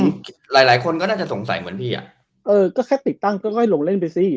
หลายหลายคนก็น่าจะสงสัยเหมือนพี่อ่ะเออก็แค่ติดตั้งก็ค่อยลงเล่นไปสิ